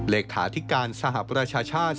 เหลศาสตร์ธิการสหรัฐประชาชาติ